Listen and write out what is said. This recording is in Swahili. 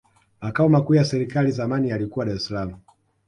makao makuu ya serikali zamani yalikuwa dar es salaam